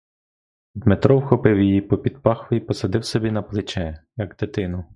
Дмитро вхопив її попід пахви і посадив собі на плече, як дитину.